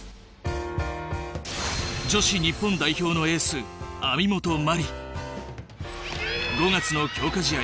女子日本代表のエース５月の強化試合